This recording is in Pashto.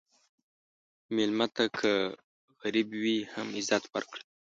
مېلمه ته که غریب وي، هم عزت ورکړه.